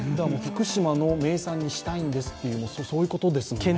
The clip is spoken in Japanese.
福島の名産にしたいんですということですよね。